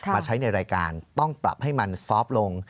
มาใช้ในรายการต้องปรับให้มันซอฟต์ลง